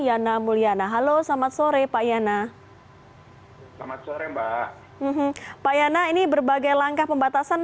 yana mulyana halo selamat sore pak yana selamat sore mbak pak yana ini berbagai langkah pembatasan